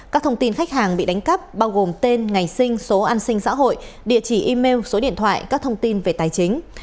các thông tin khách hàng bị đánh cắp bao gồm tên ngày sinh số an sinh xã hội địa chỉ email số điện thoại các thông tin về tài chính